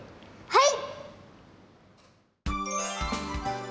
はい。